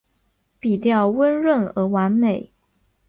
笔调温润而完美